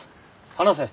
話せ。